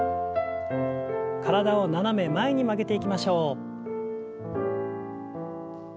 体を斜め前に曲げていきましょう。